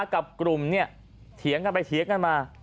กับกลุ่มเนี่ยเถียงกันไปเถียงกันมา